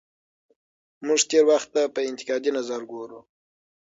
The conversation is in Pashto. موږ تېر وخت ته په انتقادي نظر ګورو.